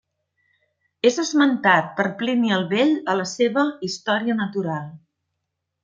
És esmentat per Plini el Vell a la seva Història natural.